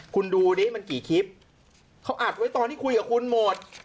คุณดูดิมันกี่คลิปเขาอัดไว้ตอนที่คุยกับคุณหมด